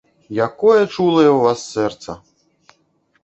Якое чулае ў вас сэрца!